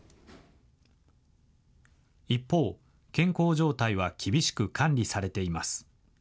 一方、健康状態は厳しく管理されています。